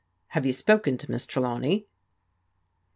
Have you spoken to Miss Trelawney ?